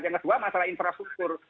yang kedua masalah infrastruktur